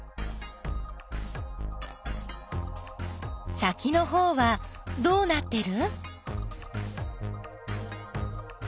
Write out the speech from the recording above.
先のほうはどうなってる？